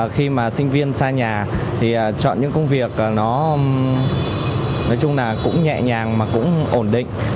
khi mà sinh viên xa nhà thì chọn những công việc nó nói chung là cũng nhẹ nhàng mà cũng ổn định